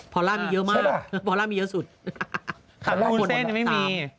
พอลลาร์มีเยอะมากพอลลาร์มีเยอะสุดกระสาม